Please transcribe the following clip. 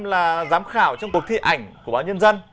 là giám khảo trong cuộc thi ảnh của báo nhân dân